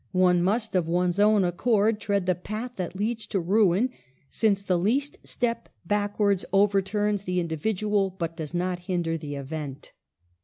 One must of one's own accord tread the path that leads to ruin, since the least step backwards overturns the individual but does not hinder the event."